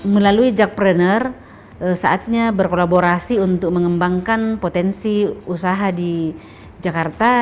melalui jakpreneur saatnya berkolaborasi untuk mengembangkan potensi usaha di jakarta